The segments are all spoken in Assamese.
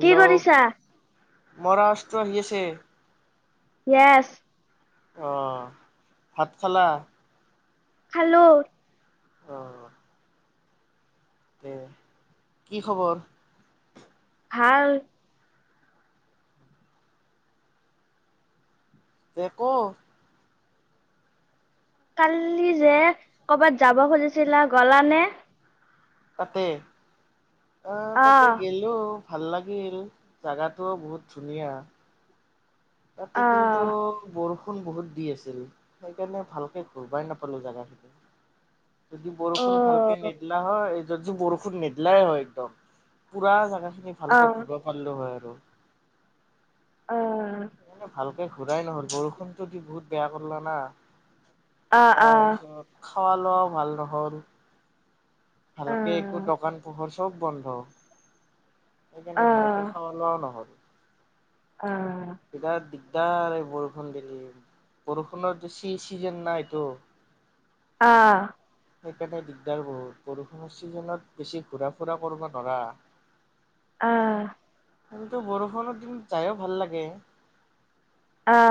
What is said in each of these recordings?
কি কৰিছা? মৰা ত আহি আছে। ইয়েছ অ ভাত খালা? খালো। অ তে কি খবৰ? ভাল। একো কালি যে কৰ'বাত যাব খুজিছিলা গলা নে? তাতে! অ তাতে আহ গেলো। ভাল লাগিল। জোগাটোও বহুত ধুনীয়া। ততে কিন্তু আহ বৰষুণ বৰষুণ বহুত দি আছিল সেইকাৰণে ভালকে ঘূৰবই নাপালো জানানে। যদি অ বৰষুণ ভালকে নিদিলা হয়, য যদি বৰষুণ নেদিলাই হয় একদম পুৰা জাগা খিনি ভালকে আহ ফুৰিব পাৰিলো হয় আৰু। অ ভাল ঘুৰাই নহল বৰষুণতটো দি বহুত বেয়া কৰিলা না। আহ তাৰ আহ পিছত খোৱা লোৱা ভাল নহ'ল ভালকে একো আহ দোকান পোহৰ চব বন্ধ। সেইকাৰণে ভালকে খোৱা লোৱাও নহল। অঁ। বিৰাট দিগদাৰ বৰষুণ দিলি বৰষুণৰতো চি চিজন নাইটো। আহ। সেইকাৰণে দিগদাৰ বহুত বৰষুণৰ চিজনত বেছি ঘূৰা ফুৰা কৰিব নোৱাৰা। আহ। কিন্ত বৰষুণৰ দিন যায়ও ভাল লাগে।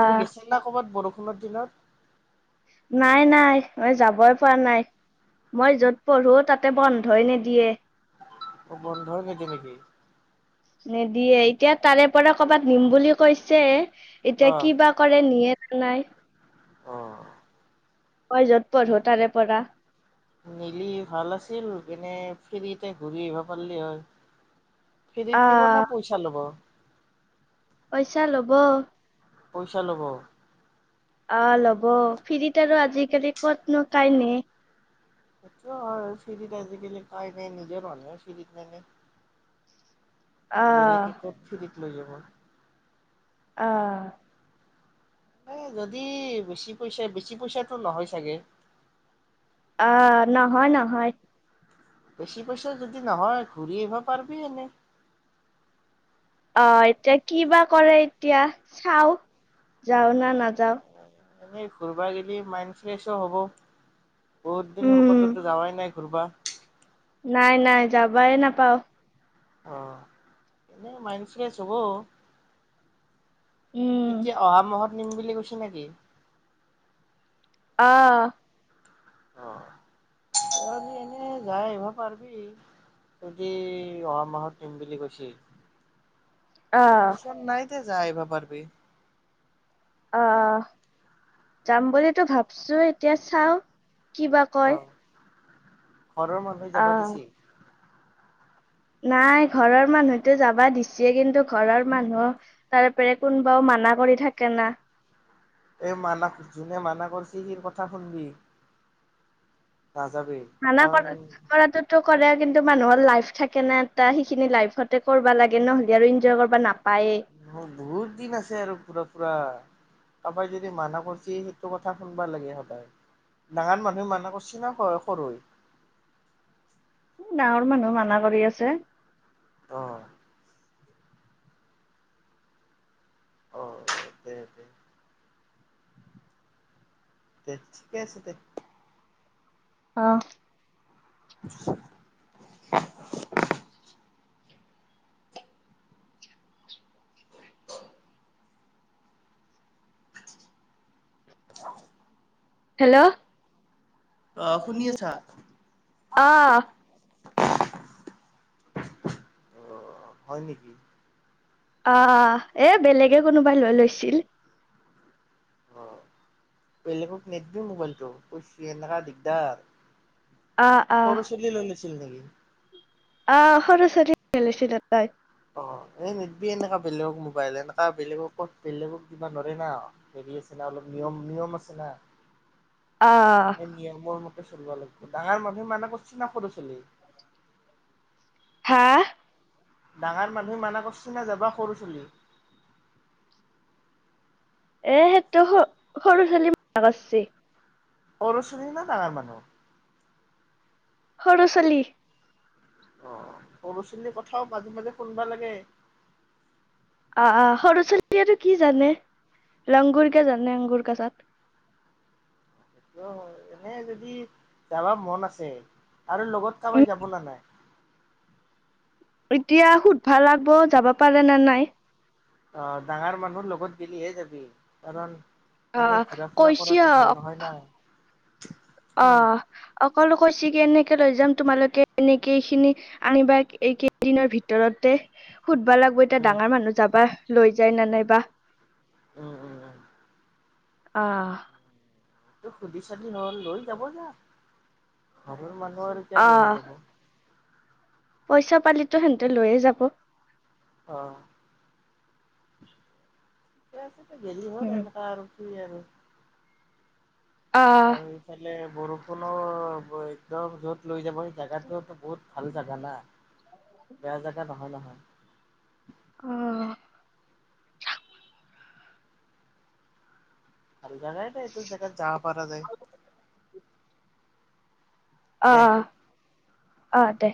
তুমি গেছা না কৰ'বাত বৰষুণ। বৰষুণৰ দিনত? নাই নাই, মই যাবই পৰা নাই মই য'ত পঢ়ো তাতে বন্ধই নিদিয়ে। অ বন্ধ নিদিয়ে নেকি নিদিয়ে, এতিয়া তাৰে পৰা কৰ'বাত নিম বুলি কৈছে। এতিয়া কি বা কৰে নিয়ে। নাই। অঁ। মই য'ত পঢ়ো তাৰে পৰা। নিলি ভাল আছিল এনে ফেৰিতে ঘূৰি আহিব পাৰিলে হয়। ফেৰিত নিব আহ নে পইচা লব। পইচা লব। পইচা ল'ব। অ, ল'ব ফিৰিত আৰু আজি ক'ত নো সিটো হয়, ফিৰিত আজি কালি মেলে আহ কি কৰো দ [unintelligible] লৈ যাব। অঁ। এ যদি বেছি পইচা, বেছি পইচাটো নহয় চাগে। অ' নহয়, নহয়। বেছি পইচা যদি নহয় ঘূৰি আহিব পাৰিবি এনেই। অ, এতিয়া কি বা কৰে এতিয়া চাওঁ। যাও না নাযাওঁ। এ ঘূুৰবা যদি মাইণ্ড ফ্ৰেছো হ'ব, বহুত দিন হ'ল উম ক'তো যাৱাই নাই ঘুৰবা। নাই নাই, যাবাই নাপাওঁ।। আহ, এনে মাইন ফ্ৰেছ হব। উম এতিয়া অহা মাহত। নিম বুলি কৈছ নেকি! অঁ। তহতি এনে যাই আহিব পাৰিবি, যদি অহা মাহত নিম বুলি কৈছিল। আহ ওচৰত নাই। যায় আহিব পাৰবি। অঁ'''' যাম বুলিতো ভাৱছো' এতিয়া চাওঁ কিবা অ কয়। ঘৰৰ মানুহে যাবা আহ দিছি? নাই ঘৰৰ মানুহতো যাবা দিছে কিন্তু ঘৰৰ মানুহ তাৰপৰাও কোনোবাও মানা কৰি থাকে না। এই মানা যোনে মানা কৰিছি, সি কথা শুনবি নাযাবি মানা কাৰণ কৰ কৰাটো ত কৰে কিন্তু মানুহৰ লাইফ থাকে না এটা, সেইখিনি লাইফতে কৰিব লাগে নহলে আৰু ইনজয় কৰিব নাপ অঁ বহুত দিন আছে আৰু ঘুৰা ফুৰা। কাৰোবাক যদি মানাহ কৰছি সেইটো কথা শুনবা লাগে সদায়। ডাঙৰ মানুহে মানহ কৰছি না সৰু সৰুৱে? ডাঙৰ মানুহ মানা কৰি আছে। অঁ! অঁ! তে ঠিকে আছে তেত। আহঁ [unintelligible] হেল্ল' অঁ শুনি আছা, অঁ' অহ অঁ হয় নেকি? আঁহ এ বেলেগে কোনোবাই লৈ লৈছিল। অঁ বেলেগক নেদবি মোৱাইলটো এনেককাা দিগদাৰ। অহ পৰছোৱালী লৈ লৈছিল নেকি? অঁ সৰু ছোৱালী লৈ লৈছিল। [unintelligible] অঁ এই নিদিবি এনেকা বেলেগক মোবাইল, এনেকা বেলেগক ক'ত বেলেগক কিবা ধৰে না। অলপ নিয়ম নিয়ম আছে না অহ এই নিয়মবোৰ। চলিব লাগিব ডাঙৰ মানুহে মানে কৰছ না সৰু ছোৱালী হা ডাঙৰ মানুহে মানা কৰছে ন যাবা সৰু চুলি এ সেইটো স সৰু ছোৱালী মছি অৰচনী ন ডাঙৰ মানুহ সৰু ছোৱালি অঁ সৰু ছোৱালীৰ কথাও মাজে মাজে শুনবা লাগে আহ সৰুস্বতীটো কি জানে লংগুৰ কে জানে আংগুৰ কচাত। এইটো এনেই যদি যাবা মন আছে আৰু লগত কাৰোবাই যাব ন নাই এতিয়া সোধ ভাল লাগব যাব পাৰে নে নাই অঁ ডাঙৰ মানুহৰ লগত গেলিহে যাবি কাৰণ আহ এনেই ঘুৰা ফুৰা কৰাটো ভাল নহয় নাই অ অকলোক বেছিক এনেকে লৈ যাম তোমালোকে এনেকে খিনি আনিবা এই কেইদিনৰ ভিতৰতে। সুধব লাগিব এতিয়া উম ডাঙৰ মানুহ যাবা লৈ যায় ন নাইবা উম উম উম আহ সুধি চাধি হল লৈ যাব যা। ঘবৰ মানে কল আহ [unintelligible] পইচা পালিতো সেহতে লৈয়ে যাব অ ক আছে [unintelligible] গেলি হ'ল উম এনেকা আৰু কি আৰু আহ আৰুফালে বৰষুণো একদম যত লৈ যাবই জেগাটোতো বহুত ভাল জোগা না। বেয়া জেগা নহয় নহয় অ ভাল জাগাই নাই এইটো জেগাত যাবা পাৰা যায় অ দে অ দে